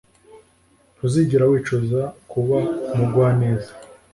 ntuzigera wicuza kuba umugwaneza.